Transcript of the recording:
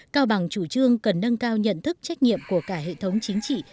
cao bằng chủ trương cần nâng cao nhận thức trách nhiệm của cả hệ thống chính trị